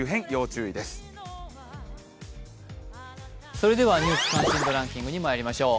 それでは「ニュース関心度ランキング」にまいりましょう。